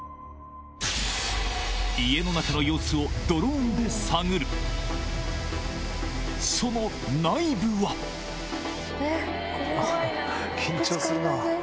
家の中の様子をドローンで探るその内部は⁉うわっ。